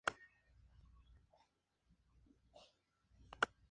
Allí descubrió las obras de Palladio, Vitruvio y algunos edificios de la antigüedad.